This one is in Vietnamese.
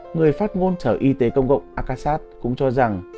người phát ngôn sở y tế công cộng akasat cũng cho rằng